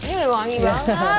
ini wangi banget